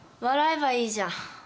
笑えばいいじゃん。